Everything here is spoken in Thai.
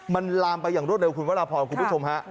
มันลามไปอย่างรวดเร็วคุณพระอาพอร์ตคุณผู้ชมครับ